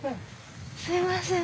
すいません。